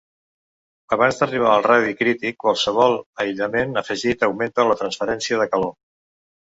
Abans d'arribar al radi crític qualsevol aïllament afegit augmenta la transferència de calor.